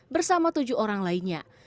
bersama tujuh orang lainnya